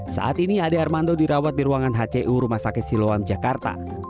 saat ini ade armando dirawat di ruangan hcu rumah sakit siloam jakarta